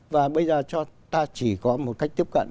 và bây giờ ta chỉ có một cách tiếp cận